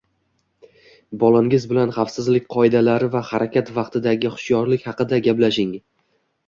Bolangiz bilan xavfsizlik qoidalari va harakat vaqtidagi xushyorlik haqida gaplashing.